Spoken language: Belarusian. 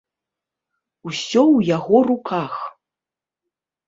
Усё ў яго руках!